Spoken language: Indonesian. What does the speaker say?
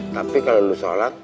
tapi kalau lo sholat